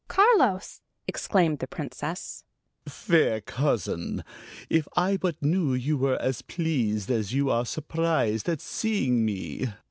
"Carlos!" exclaimed the Princess. "Fair cousin if I but knew you were as pleased, as you are surprised, at seeing me!"